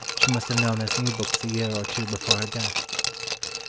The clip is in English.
she must have known as new books a year or two before her death.